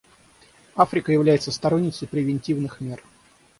Африка является сторонницей превентивных мер.